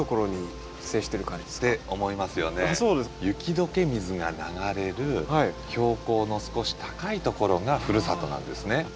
雪解け水が流れる標高の少し高いところがふるさとなんですね。